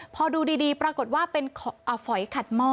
พอดูดีปรากฏว่าเป็นฝอยขัดหม้อ